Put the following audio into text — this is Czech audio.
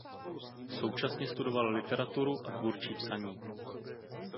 Současně studovala literaturu a tvůrčí psaní.